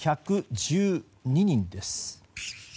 ８１１２人です。